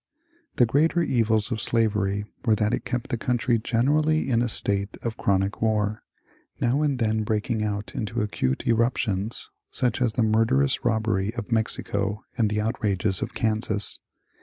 The greater evils of slavery were that it kept the country generally in a state of chronic war, now and then breaking out into acute eruptions, such as the murderous robbery of Mexico and the outrages on Kansas.